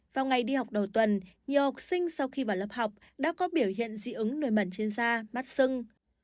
vào ngày đi học đầu tuần nhiều học sinh sau khi vào lớp học đã có biểu hiện dị ứng nổi mẩn trên da mắt sưng